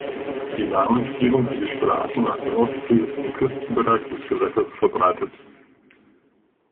Die Namensgebung für Straßen nach der Ostsee ist im Küstenbereich des Gewässers verbreitet.